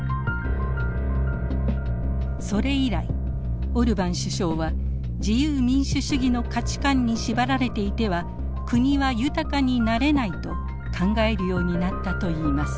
それ以来オルバン首相は自由民主主義の価値観に縛られていては国は豊かになれないと考えるようになったといいます。